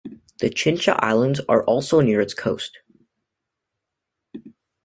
The Chincha Islands are also near its coast.